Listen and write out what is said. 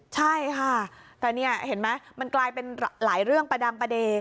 ใช่ค่ะแต่นี่เห็นไหมมันกลายเป็นหลายเรื่องประดังประเด็น